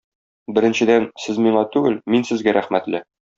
Беренчедән, сез миңа түгел, мин сезгә рәхмәтле.